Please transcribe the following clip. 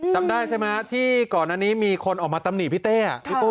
จำได้ใช่ไหมที่ก่อนอันนี้มีคนออกมาตำหนิพี่เต้อ่ะ